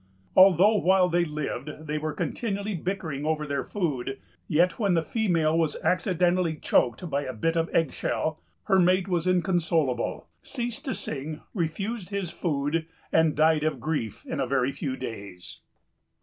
Although while they lived they were continually bickering over their food, yet when the female was accidentally choked by a bit of egg shell her mate was inconsolable, ceased to sing, refused his food, and died of grief in a very few days."